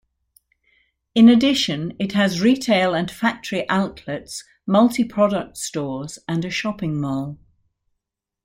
In addition it has retail and factory outlets, multi-product stores and a shopping mall.